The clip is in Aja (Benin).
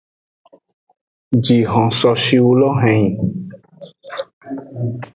Jihon so shiwu lo henyi.